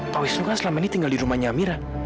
pak wisnu kan selama ini tinggal di rumahnya mira